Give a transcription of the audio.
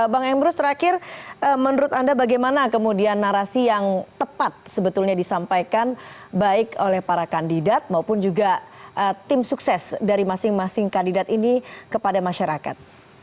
bang emrus terakhir menurut anda bagaimana kemudian narasi yang tepat sebetulnya disampaikan baik oleh para kandidat maupun juga tim sukses dari masing masing kandidat ini kepada masyarakat